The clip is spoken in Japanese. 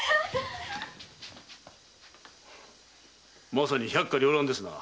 ・まさに百花繚乱ですな。